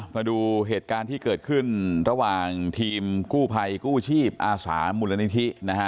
มาดูเหตุการณ์ที่เกิดขึ้นระหว่างทีมกู้ภัยกู้ชีพอาสามูลนิธินะฮะ